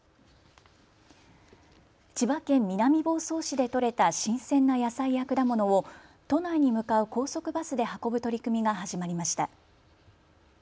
千葉県南房総市で取れた新鮮な野菜や果物を都内に向かう高速バスで運ぶ取り組みが始まりました。